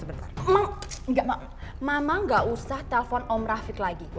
ma mama gak usah telfon om rafiq lagi